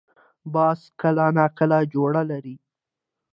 باز کله نا کله جوړه لري